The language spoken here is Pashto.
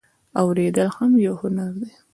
اوریدل هم یو هنر دی